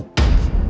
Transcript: gak ada apa apa